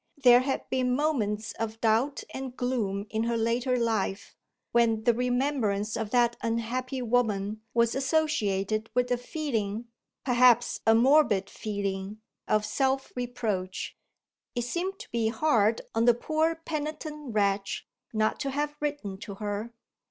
There had been moments of doubt and gloom in her later life, when the remembrance of that unhappy woman was associated with a feeling (perhaps a morbid feeling) of self reproach. It seemed to be hard on the poor penitent wretch not to have written to her.